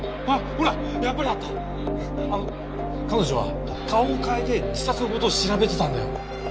あの彼女は顔を変えて自殺の事を調べてたんだよ。